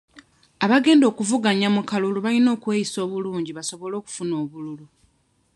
Abagenda okuvuganya mu kalulu balina okweyisa obulungi basobole okufuna obululu.